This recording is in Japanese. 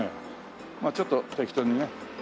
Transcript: まあちょっと適当にね。